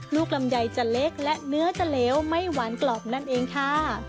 ลำไยจะเล็กและเนื้อจะเหลวไม่หวานกรอบนั่นเองค่ะ